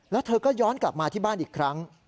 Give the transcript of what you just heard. แล้วเธอก็ย้อนกลับมาที่บ้านอีกครั้ง